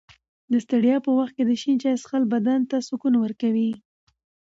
د ستړیا په وخت کې د شین چای څښل بدن ته سکون ورکوي.